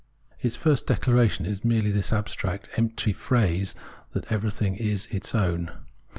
Its first declaration is merely this abstract, empty phrase that everything is its own.